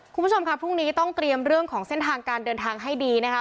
คุณผู้ชมค่ะพรุ่งนี้ต้องเตรียมเรื่องของเส้นทางการเดินทางให้ดีนะคะ